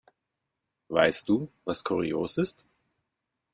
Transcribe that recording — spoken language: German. Weißt du, was kurios ist?